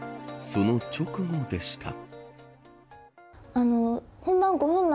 その直後でした。